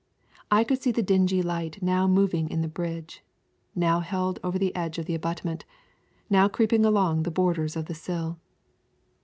I could see the dingy light now moving in the bridge, now held over the edge of the abutment, now creeping along the borders of the sill.